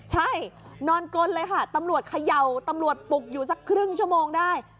ใช่นอนกลนเลยค่ะตำรวจเขย่าตำรวจปลุกอยู่สักครึ่งชั่วโมงได้